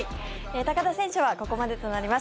高田選手はここまでとなります。